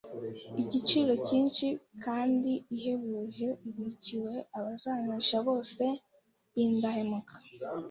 igiciro cyinshi kandi ihebuje ibikiwe abazanesha bose b’indahemuka